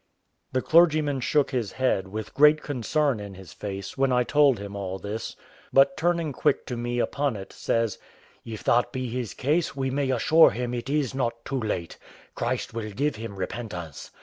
The clergyman shook his head, with great concern in his face, when I told him all this; but turning quick to me upon it, says, "If that be his case, we may assure him it is not too late; Christ will give him repentance.